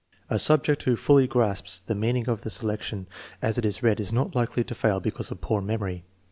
A subject who fully grasps the meaning of the selection as it is read is not likely to fail because of poor memory.